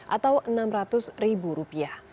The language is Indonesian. atau enam ratus ribu rupiah